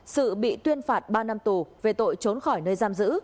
sự bị tuyên phạt ba năm tù về tội trốn khỏi nơi giam giữ